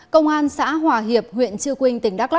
công an xã hòa hiệp huyện chư quynh tỉnh đắk lắc